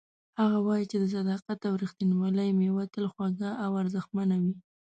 هغه وایي چې د صداقت او ریښتینولۍ میوه تل خوږه او ارزښتمنه وي